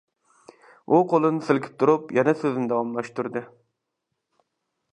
-ئۇ قۇلىنى سىلكىپ تۇرۇپ يەنە سۆزنى داۋاملاشتۇردى.